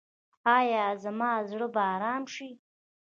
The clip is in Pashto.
ایا زما زړه به ارام شي؟